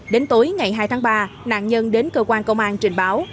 đến tối ngày hai tháng ba nạn nhân đến cơ quan công an trình báo